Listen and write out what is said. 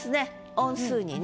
音数にね。